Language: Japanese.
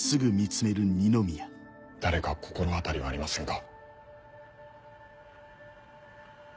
誰か心当たりはありませんか？